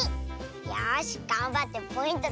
よしがんばってポイント